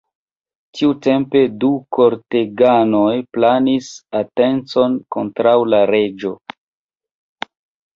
Tiutempe du korteganoj planis atencon kontraŭ la reĝo.